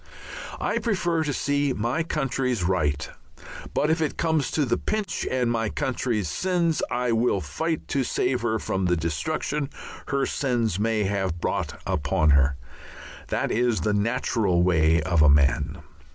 I prefer to see my country right, but if it comes to the pinch and my country sins I will fight to save her from the destruction her sins may have brought upon her. That is the natural way of a man.